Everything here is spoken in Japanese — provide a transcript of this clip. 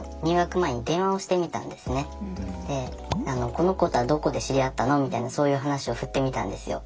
この子とはどこで知り合ったのみたいなそういう話を振ってみたんですよ。